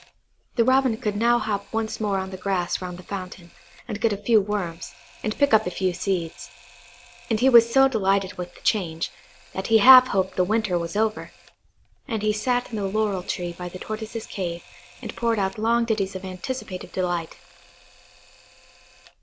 The Robin could now hop once more on the grass round the fountain, and get at a few worms, and pick up a few seeds. And he was so delighted with the change, that he half hoped the winter was over; and he sat in the laurel tree by the Tortoise's cave, and poured out long ditties of anticipative delight.